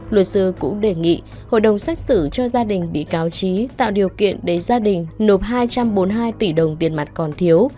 luật sư cũng đề nghị hội đồng xét xử cho gia đình bị cáo trí tạo điều kiện để gia đình nộp hai trăm bốn mươi hai tỷ đồng tiền mặt còn thiếu